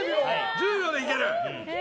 １０秒でいける！